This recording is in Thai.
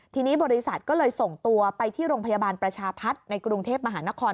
ทีนี้บริษัทก็เลยส่งตัวไปที่โรงพยาบาลประชาพัฒน์ในกรุงเทพมหานคร